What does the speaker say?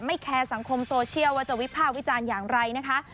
แคร์สังคมโซเชียลว่าจะวิภาควิจารณ์อย่างไรนะคะ